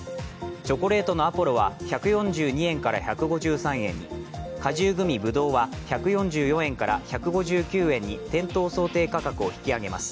チョコレートのアポロは１４２円から１５３円に果汁グミぶどうは１４４円から１５９円に店頭想定価格を引き上げます。